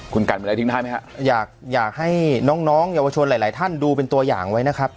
คุณกันมีอะไรทิ้งได้ไหมฮะอยากอยากให้น้องน้องเยาวชนหลายหลายท่านดูเป็นตัวอย่างไว้นะครับ